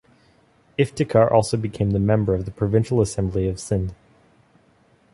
Iftikhar also became member of the Provincial Assembly of Sindh.